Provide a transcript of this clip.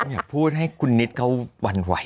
อยากพูดให้คุณนิดเขาหวั่นไหว